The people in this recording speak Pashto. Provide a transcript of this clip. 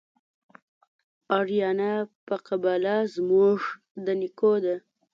آریانا په قباله زموږ د نیکو ده